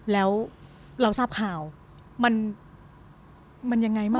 แล้วเราทราบข่าวมันยังไงมาก